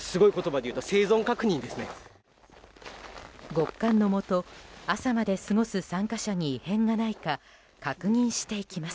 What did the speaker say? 極寒のもと、朝まで過ごす参加者に異変がないか確認していきます。